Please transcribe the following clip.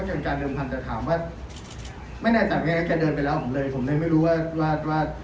ช่วงตัวเดิมภัณฑ์นี้จะเป็นการยกเลิกไหมคะ